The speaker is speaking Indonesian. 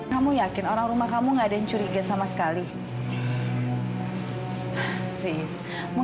sampai jumpa di video selanjutnya